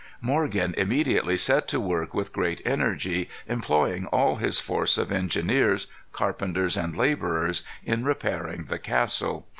Morgan immediately set to work with great energy, employing all his force of engineers, carpenters, and laborers in repairing the castle.